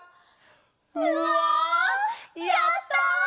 うわやった！